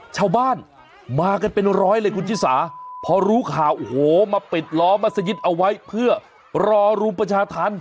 ชาวบ้านมากันเป็นร้อยเลยคุณชิสาพอรู้ข่าวโอ้โหมาปิดล้อมัศยิตเอาไว้เพื่อรอรุมประชาธรรม